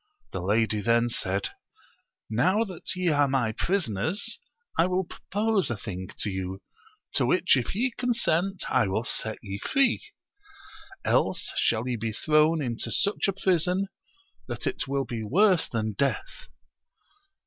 The lady then said, Now that ye are my prisoners I wiU propose a thing to you, to which if ye consent I will set ye free ; else shall ye be thrown into such a . prison that it will be worse than death.